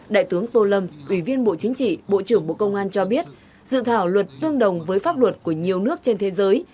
đại tướng tô lâm ủy viên bộ chính trị bộ trưởng bộ công an cho biết dự thảo luật tương đồng với pháp luật của nhiều nước trên thế giới